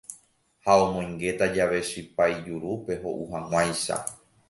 Ha omoingéta jave chipa ijurúpe ho'u hag̃uáicha.